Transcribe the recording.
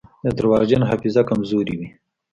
د درواغجن حافظه کمزورې وي.